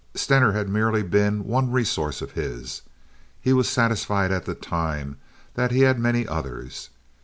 Stener had merely been one resource of his. He was satisfied at that time that he had many others.